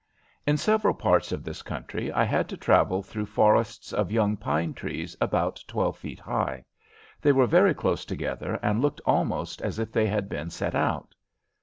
In several parts of this country I had to travel through forests of young pine trees about twelve feet high. They were very close together and looked almost as if they had been set out.